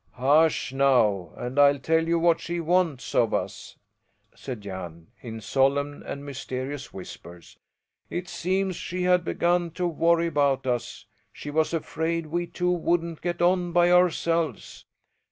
"Hush now, and I'll tell you what she wants of us!" said Jan, in solemn and mysterious whispers. "It seems she had begun to worry about us; she was afraid we two wouldn't get on by ourselves.